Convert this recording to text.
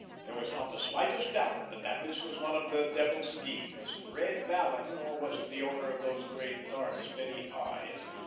There was not the slightest doubt but that this was one of their devil's schemes. Red Vallon—or was it the owner of those great, dark, steady eyes?